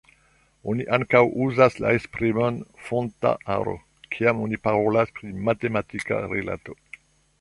Oni ankaŭ uzas la esprimon «fonta aro» kiam oni parolas pri matematika rilato.